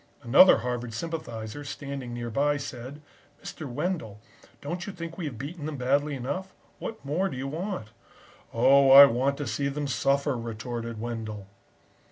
"Another Harvard sympathiser, standing nearby, said: "'Mr. Wendell, don't you think we have beaten them badly enough? What more do you want?' "'Oh, I want to see them suffer,' retorted Wendell."